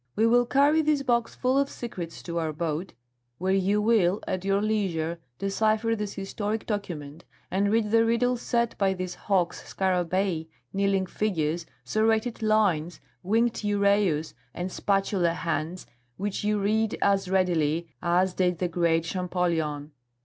"We will carry this box full of secrets to our boat, where you will, at your leisure, decipher this historic document and read the riddle set by these hawks, scarabæi, kneeling figures, serrated lines, winged uræus, and spatula hands, which you read as readily as did the great Champollion."